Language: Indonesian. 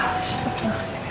ya sama sekali